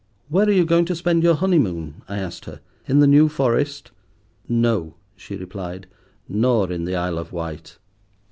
"Where are you going to spend your honeymoon?" I asked her; "in the New Forest?" "No," she replied; "nor in the Isle of Wight."